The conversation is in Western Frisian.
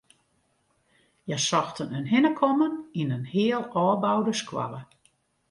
Hja sochten in hinnekommen yn in heal ôfboude skoalle.